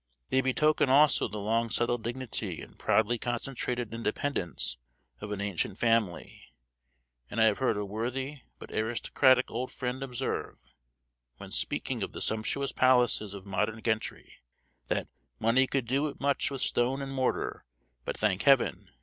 They betoken also the long settled dignity and proudly concentrated independence of an ancient family; and I have heard a worthy but aristocratic old friend observe, when speaking of the sumptuous palaces of modern gentry, that "money could do much with stone and mortar, but thank Heaven!